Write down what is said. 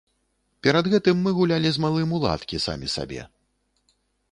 Перад гэтым мы гулялі з малым у ладкі самі сабе.